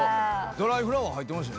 『ドライフラワー』入ってました。